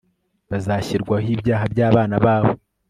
bazashyirwaho ibyaha byabana babo